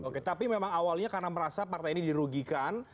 oke tapi memang awalnya karena merasa partai ini dirugikan